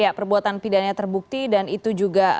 ya perbuatan pidananya terbukti dan itu juga